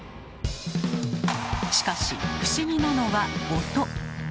しかし不思議なのは「音」。